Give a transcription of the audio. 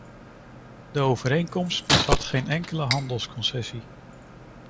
De overeenkomst bevat geen enkele handelsconcessie.